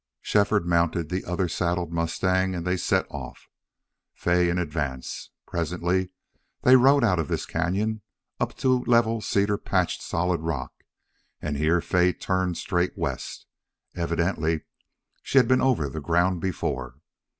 Shefford mounted the other saddled mustang, and they set off, Fay in advance. Presently they rode out of this cañon up to level cedar patched, solid rock, and here Fay turned straight west. Evidently she had been over the ground before.